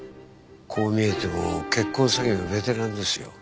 こう見えても結婚詐欺のベテランですよ。